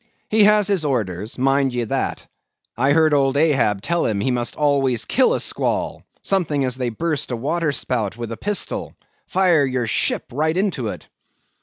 He has his orders, mind ye that. I heard old Ahab tell him he must always kill a squall, something as they burst a waterspout with a pistol—fire your ship right into it!